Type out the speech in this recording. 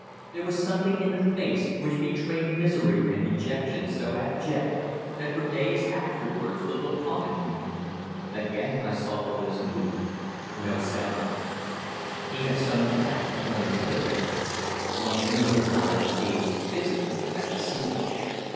There was something in the face which betrayed misery and dejection so abject that for days afterwards the look haunted me. Again I saw the lips move, but no sound came. He had sunk back upon his pillows. Once more his eyes gazed fixedly at the ceiling.